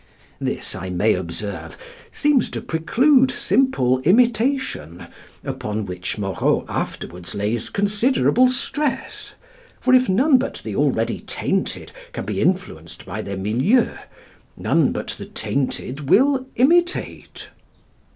This, I may observe, seems to preclude simple imitation, upon which Moreau afterwards lays considerable stress; for if none but the already tainted can be influenced by their milieu, none but the tainted will imitate.